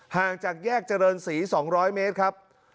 ห่างจากแยกเจริญศรี๒๐๐เมตรครับ